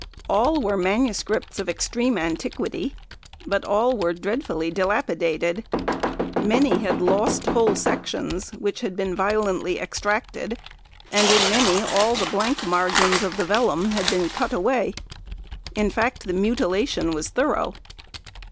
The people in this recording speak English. All were manuscripts of extreme antiquity, but all were dreadfully dilapidated. Many had lost whole sections which had been violently extracted, and in many all the blank margins of the vellum had been cut away. In fact, the mutilation was thorough.